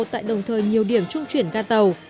tại đồng thời nhiều điểm trung chuyển ga tàu